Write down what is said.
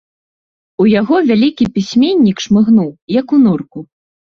У яго вялікі пісьменнік шмыгнуў, як у норку.